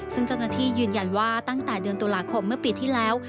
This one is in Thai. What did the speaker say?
ซึ่งเจ้าหน้าที่ยืนยันว่าตั้งแต่เดือนตุลาคมเมื่อปีที่แล้ว